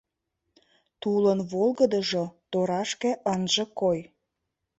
— Тулын волгыдыжо торашке ынже кой.